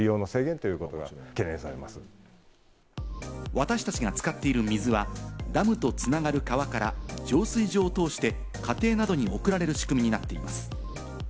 私達が使っている水は、ダムとつながる川から浄水場を通して家庭などに送られる仕組みになっています。